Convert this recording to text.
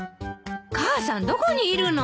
母さんどこにいるの？